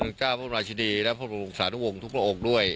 ท่านเจ้าพระมาชดีและพระมงสาธุวงศ์ทุกโอกด้วย